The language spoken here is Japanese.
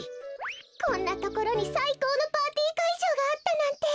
こんなところにさいこうのパーティーかいじょうがあったなんて！